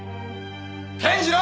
健次郎！